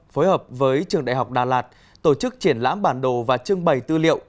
phối hợp với trường đại học đà lạt tổ chức triển lãm bản đồ và trưng bày tư liệu